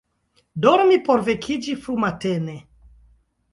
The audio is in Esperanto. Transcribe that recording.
Dormi por vekiĝi frumatene.